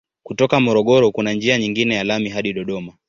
Kutoka Morogoro kuna njia nyingine ya lami hadi Dodoma.